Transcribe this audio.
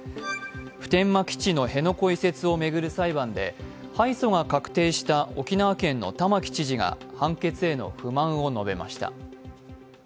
普天間基地の辺野古移設を巡る裁判で、敗訴が確定した沖縄県の玉城知事が判決への不満を述べました。